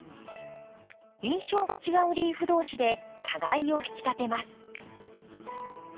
印象が違うリーフ同士で互いを引き立てます。